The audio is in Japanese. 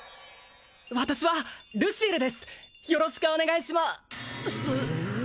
私はルシエルですよろしくお願いします